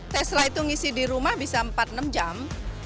tesla itu ngisi di rumah bisa empat enam jam